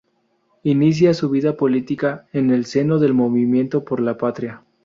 Inicia su vida política en el seno del Movimiento Por la Patria.